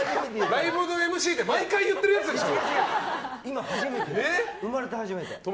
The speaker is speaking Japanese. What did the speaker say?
ライブのＭＣで毎回言ってるやつでしょ？